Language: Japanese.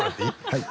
はい。